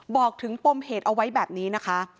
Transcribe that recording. บอกถึงปมเหตุเอาไว้แบบนี้นะคะ